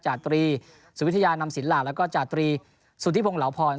จาตรีสุวิทยานำสินหลากแล้วก็จาตรีสุธิพงศ์เหลาพร